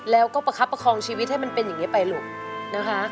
แล้วก็ประคับประคองชีวิตให้มันเป็นอย่างนี้ไปลูกนะคะ